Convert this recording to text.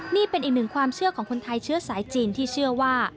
นี่เป็นอีกหนึ่งความเชื่อของคนไทยเชื้อสายจีนที่เชื่อว่า